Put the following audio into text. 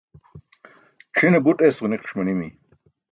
c̣ʰine buṭ es ġuniqiṣ manimi